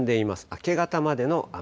明け方までの雨。